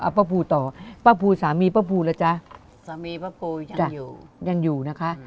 ป้าภูต่อป้าภูสามีป้าภูล่ะจ๊ะสามีป้าปูยังอยู่ยังอยู่นะคะ